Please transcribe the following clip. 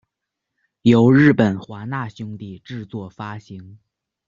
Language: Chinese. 由日本华纳兄弟制作发行。